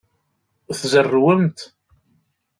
Tzerrwemt?